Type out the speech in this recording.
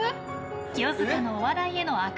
清塚のお笑いへの飽く